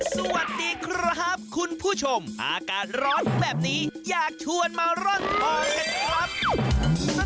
สวัสดีครับคุณผู้ชมอากาศร้อนแบบนี้อยากชวนมาร่อนทองกันครับ